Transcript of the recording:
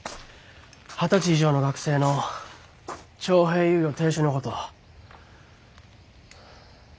二十歳以上の学生の徴兵猶予停止のこと。